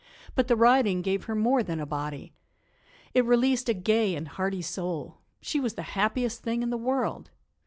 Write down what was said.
But the riding gave her more than a body. It released a gay and hardy soul. She was the happiest thing in the world.